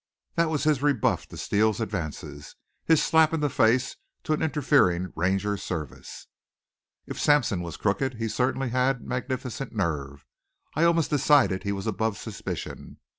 That was his rebuff to Steele's advances, his slap in the face to an interfering Ranger Service. If Sampson was crooked he certainly had magnificent nerve. I almost decided he was above suspicion.